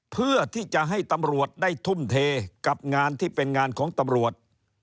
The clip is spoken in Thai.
เพื่อที่จะให้ตำรวจได้ทุ่มเทกับงานที่เป็นงานของตำรวจ